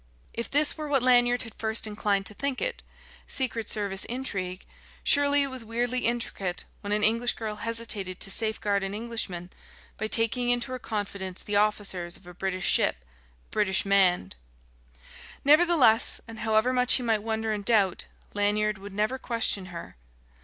If this were what Lanyard had first inclined to think it, Secret Service intrigue, surely it was weirdly intricate when an English girl hesitated to safeguard an Englishman by taking into her confidence the officers of a British ship, British manned! Nevertheless, and however much he might wonder and doubt, Lanyard would never question her.